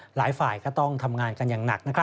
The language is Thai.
หลายฝ่ายก็ต้องทำงานกันอย่างหนัก